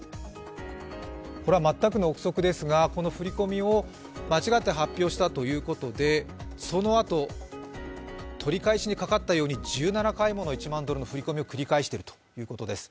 これは全くの憶測ですが、振り込みを間違って発表したということでそのあと、取り返しにかかったように１７回もの１万ドルの振込を繰り返しているということです。